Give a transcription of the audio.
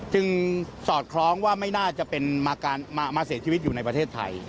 สอดคล้องว่าไม่น่าจะมาเสียชีวิตอยู่ในประเทศไทย